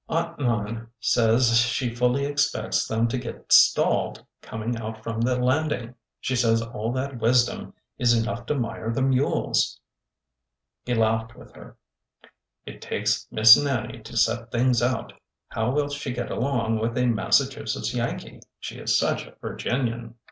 Aunt Nan says she fully expects them to get stalled coming out from the landing. She says all that wisdom is enough to mire the mules." He laughed with her. ''It takes Miss Nannie to set things out! How will she get along with a Massachusetts Yankee? She is such a Virginian."